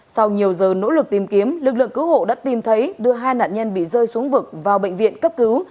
sau nhiều giờ nỗ lực tìm kiếm lực lượng cứu hộ đã tìm thấy đưa hai nạn nhân bị rơi xuống vực vào bệnh viện cấp cứu